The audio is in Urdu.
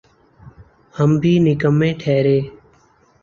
ہم بھی نکمّے ٹھہرے۔